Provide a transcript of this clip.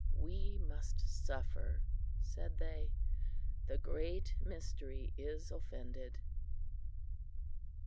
"We must suffer," said they "the Great Mystery is offended."